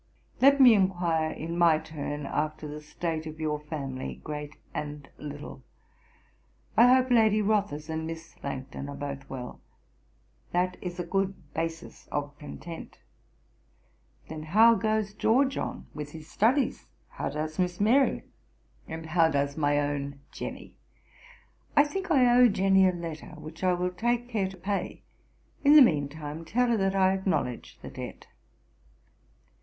'Let me enquire in my turn after the state of your family, great and little. I hope Lady Rothes and Miss Langton are both well. That is a good basis of content. Then how goes George on with his studies? How does Miss Mary? And how does my own Jenny? I think I owe Jenny a letter, which I will take care to pay. In the mean time tell her that I acknowledge the debt.